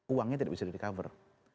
uangnya tidak bisa di recover